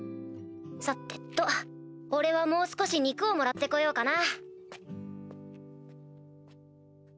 さてと俺はもう少し肉をもらって来ようかな。